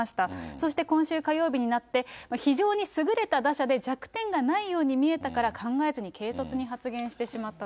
そして今週火曜日になって、非常に優れた打者で、弱点がないように見えたから考えずに軽率に発言してしまったと。